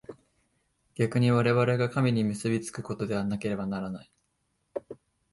逆に我々が神に結び附くことでなければならない。